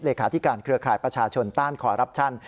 เลขาธิการเครือข่ายประชาชนต้านคอรับชัน